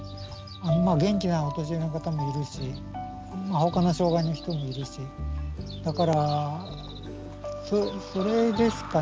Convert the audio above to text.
元気なお年寄りの方もいるしほかの障害の人もいるしだからそれですかね。